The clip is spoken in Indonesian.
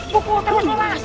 bukulkan mereka mas